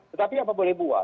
tetapi apa boleh buat